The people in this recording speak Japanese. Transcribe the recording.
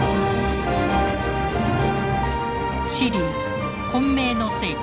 シリーズ「混迷の世紀」